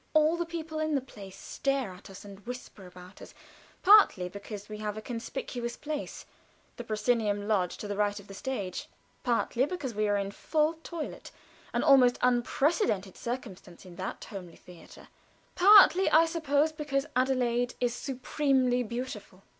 All the people in the place stare at us and whisper about us, partly because we have a conspicuous place the proscenium loge to the right of the stage, partly because we are in full toilet an almost unprecedented circumstance in that homely theater partly, I suppose, because Adelaide is supremely beautiful.